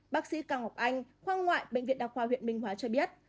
bác sĩ cao ngọc anh khoa ngoại bệnh viện đa khoa huyện minh hóa cho biết